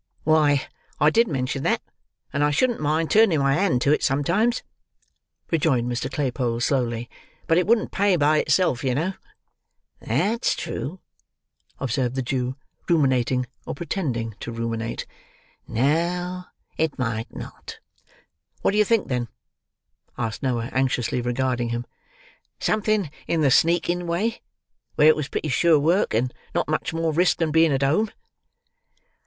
"Why, I did mention that, and I shouldn't mind turning my hand to it sometimes," rejoined Mr. Claypole slowly; "but it wouldn't pay by itself, you know." "That's true!" observed the Jew, ruminating or pretending to ruminate. "No, it might not." "What do you think, then?" asked Noah, anxiously regarding him. "Something in the sneaking way, where it was pretty sure work, and not much more risk than being at home."